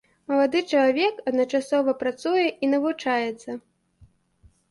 Малады чалавек адначасова працуе і навучаецца.